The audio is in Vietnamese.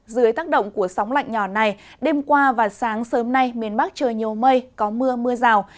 dưới tác động của sóng lạnh nhỏ này đêm qua và sáng sớm nay miền bắc trời nhiều mây có mưa mưa rào